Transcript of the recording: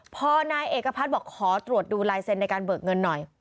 พอนายเอกพัฒน์บอกขอตรวจดูลายเซ็นต์ในการเบิกเงินหน่อย